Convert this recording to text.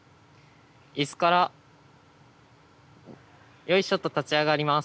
椅子からよいしょと立ち上がります。